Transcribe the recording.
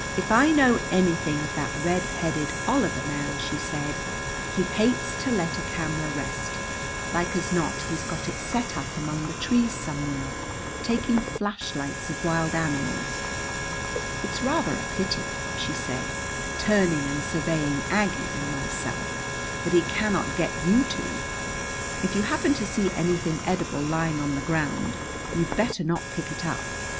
"If I know anything of that red headed Oliver man," she said, "he hates to let a camera rest. Like as not he's got it set up among the trees somewhere, taking flashlights of wild animals. It's rather a pity," she said, turning and surveying Aggie and myself, "that he cannot get you two. If you happen to see anything edible lying on the ground, you'd better not pick it up.